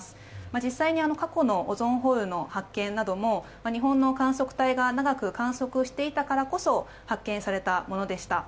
実際に、過去のオゾンホールの発見なども日本の観測隊が長く観測していたからこそ発見されたものでした。